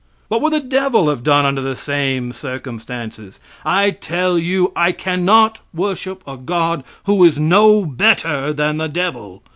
What would the devil have done under the same circumstances? I tell you, I cannot worship a God who is no better than the devil!